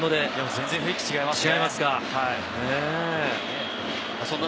全然雰囲気、違いますね。